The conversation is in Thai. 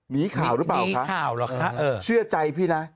มีข่าวหรือเปล่าค่ะเชื่อใจพี่นะ